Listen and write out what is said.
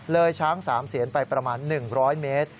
ช้าง๓เสียนไปประมาณ๑๐๐เมตร